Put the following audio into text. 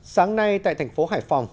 sáng nay tại thành phố hải phòng